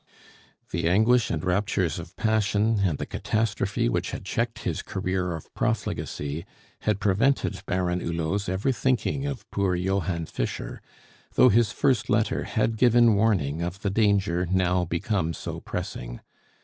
The anguish and raptures of passion and the catastrophe which had checked his career of profligacy had prevented Baron Hulot's ever thinking of poor Johann Fischer, though his first letter had given warning of the danger now become so pressing.